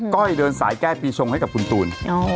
้อยเดินสายแก้ปีชงให้กับคุณตูน